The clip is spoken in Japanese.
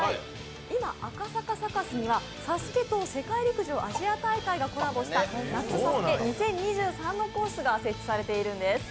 今、赤坂サカスには「ＳＡＳＵＫＥ」と世界陸上、アジア大会がコラボした「夏ＳＡＳＵＫＥ２０２３」のコースが設置されているんです。